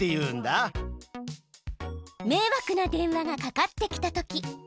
迷惑な電話がかかってきたとき